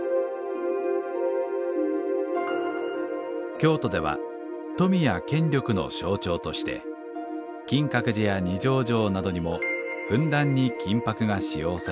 京都では富や権力の象徴として金閣寺や二条城などにもふんだんに金箔が使用されてきました。